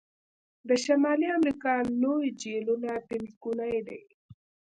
د شمالي امریکا لوی جهیلونه پنځګوني دي.